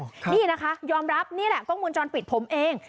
นี่นะคะยอมรับนี่แหละกล้องมูลจรปิดผมเอง